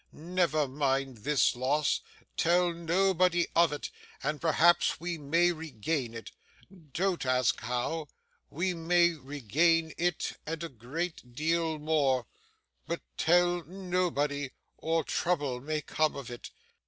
Never mind this loss. Tell nobody of it, and perhaps we may regain it. Don't ask how; we may regain it, and a great deal more; but tell nobody, or trouble may come of it.